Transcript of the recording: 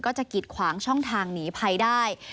จะกิดขวางช่องทางหนีภัยได้